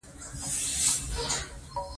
ګل صنمې، زه به هیڅکله تا یوازې پرېنږدم.